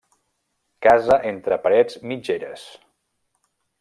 Casa entre parets mitgeres.